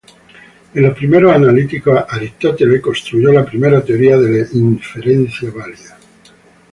En los "Primeros analíticos", Aristóteles construyó la primera teoría de la inferencia válida.